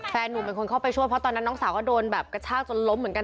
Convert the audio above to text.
หนุ่มเป็นคนเข้าไปช่วยเพราะตอนนั้นน้องสาวก็โดนแบบกระชากจนล้มเหมือนกัน